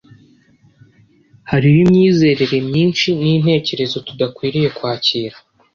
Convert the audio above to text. Hariho imyizerere myinshi n’intekerezo tudakwiriye kwakira.